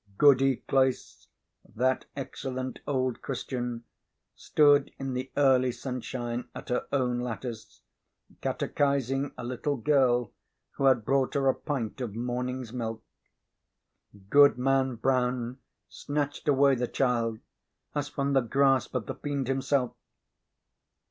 Goody Cloyse, that excellent old Christian, stood in the early sunshine at her own lattice, catechizing a little girl who had brought her a pint of morning's milk. Goodman Brown snatched away the child as from the grasp of the fiend himself.